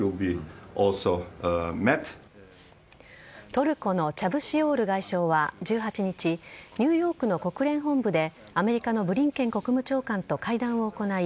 トルコのチャブシオール外相は１８日ニューヨークの国連本部でアメリカのブリンケン国務長官と会談を行い